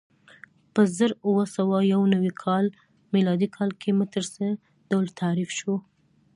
په زر اووه سوه یو نوې میلادي کال کې متر څه ډول تعریف شو؟